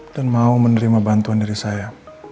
dan mau menerima bantuan dari saya